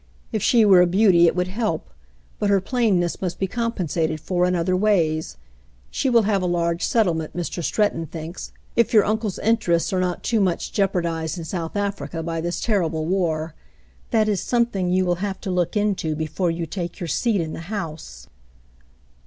If she were a beauty, it would help, but her plainness must be compensated for in other ways. She will have a large settlement, Mr. Stretton thinks, if your uncle's interests are not too much jeopardized in South Africa by this terrible war. That is something you will have to look into before you take your seat in the House."